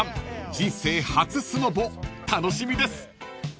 ［人生初スノボ楽しみです］